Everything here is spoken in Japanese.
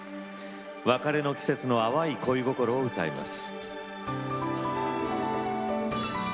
別れの季節の淡い恋心を歌います。